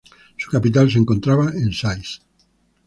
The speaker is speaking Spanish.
La capital se encontraba en Sais.